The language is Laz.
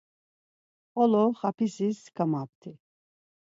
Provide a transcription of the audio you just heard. Xolo xapisis kamapti.